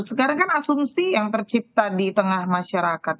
sekarang kan asumsi yang tercipta di tengah masyarakat